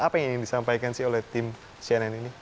apa yang ingin disampaikan sih oleh tim cnn ini